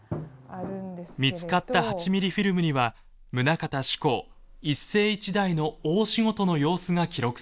見つかった８ミリフィルムには棟方志功一世一代の大仕事の様子が記録されていました。